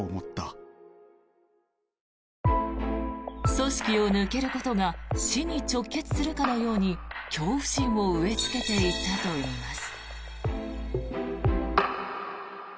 組織を抜けることが死に直結するかのように恐怖心を植えつけていたといいます。